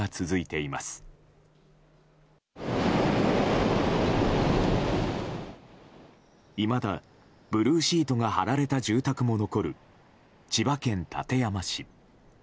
いまだブルーシートが張られた住宅も残る千葉県館山市。